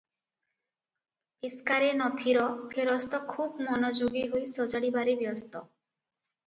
ପେସ୍କାରେ ନଥିର ଫେରସ୍ତ ଖୁବ୍ ମନଯୋଗୀ ହୋଇ ସଜାଡ଼ିବାରେ ବ୍ୟସ୍ତ ।